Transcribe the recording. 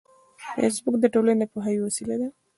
فېسبوک د ټولنې د پوهاوي وسیله ده